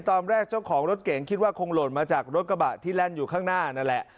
เจ้าของรถเก่งคิดว่าคงหล่นมาจากรถกระบะที่แล่นอยู่ข้างหน้านั่นแหละ